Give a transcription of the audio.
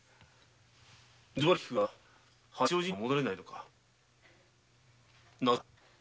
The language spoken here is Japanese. ずばり訊くが八王子には戻れないのか？